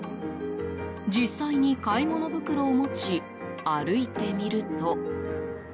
実際に買い物袋を持ち歩いてみると。